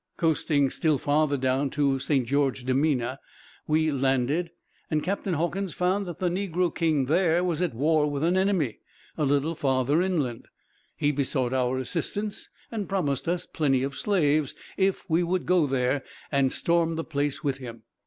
"Coasting still farther down, to Saint Jorge de Mina, we landed; and Captain Hawkins found that the negro king there was at war with an enemy, a little farther inland. He besought our assistance, and promised us plenty of slaves, if we would go there and storm the place with him.